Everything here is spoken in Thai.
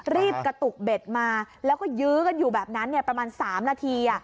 กระตุกเบ็ดมาแล้วก็ยื้อกันอยู่แบบนั้นประมาณ๓นาที